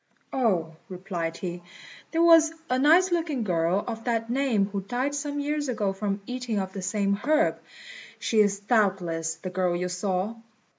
"Oh," replied he, "there was a nice looking girl of that name who died some years ago from eating of the same herb. She is doubtless the girl you saw."